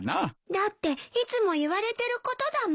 だっていつも言われてることだもん。